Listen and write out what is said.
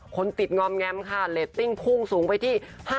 คนติดงอมแงมค่ะเรตติ้งพุ่งสูงไปที่